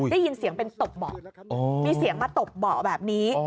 ได้ยินเสียงเป็นตบเบาะมีเสียงมาตบเบาะแบบนี้